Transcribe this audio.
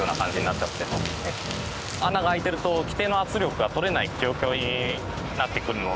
穴が開いてると規定の圧力が取れない状況になってくるので。